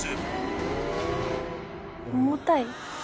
「重たい」